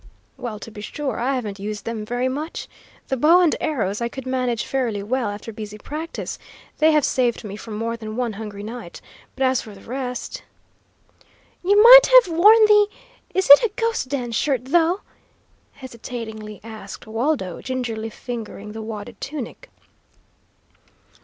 "Well, to be sure, I haven't used them very much. The bow and arrows I could manage fairly well, after busy practice. They have saved me from more than one hungry night. But as for the rest " "You might have worn the Is it a ghost dance shirt, though?" hesitatingly asked Waldo, gingerly fingering the wadded tunic.